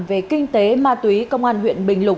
về kinh tế ma túy công an huyện bình lục